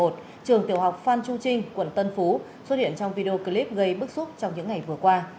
trường tiểu học phan chu trinh quận tân phú xuất hiện trong video clip gây bức xúc trong những ngày vừa qua